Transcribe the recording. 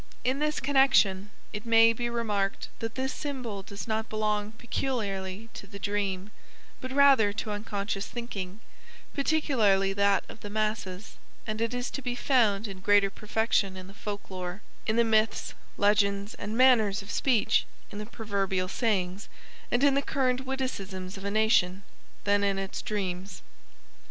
In this connection it may be remarked that this symbolism does not belong peculiarly to the dream, but rather to unconscious thinking, particularly that of the masses, and it is to be found in greater perfection in the folklore, in the myths, legends, and manners of speech, in the proverbial sayings, and in the current witticisms of a nation than in its dreams.